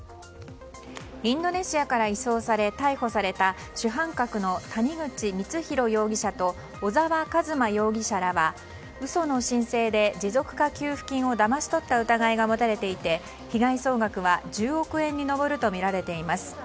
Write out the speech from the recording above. インドネシアから移送され逮捕された主犯格の谷口光弘容疑者と小沢一真容疑者らは嘘の申請で持続化給付金をだまし取った疑いが持たれていて被害総額は１０億円に上るとみられています。